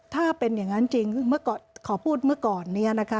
ถ้าเป็นอย่างนั้นจริงขอพูดเมื่อก่อน